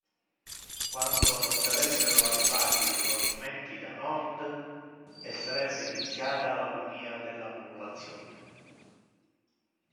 Quando non sarebbero arrivati rifornimenti da Nord, e sarebbe iniziata l'agonia della popolazione.